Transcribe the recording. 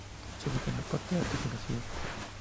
Se ubica en la parte alta de la ciudad.